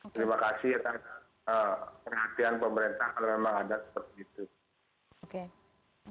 terima kasih atas perhatian pemerintah kalau memang ada seperti itu